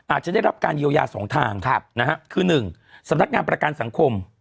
อาจจะได้รับการโยยาสองทางครับนะฮะคือหนึ่งสำนักงานประกันสังคม